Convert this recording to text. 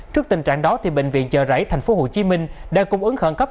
trước tình trạng đó bệnh viện chợ rẫy tp hcm đã cung ứng khẩn cấp